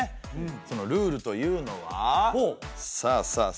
そのルールというのはさあさあ。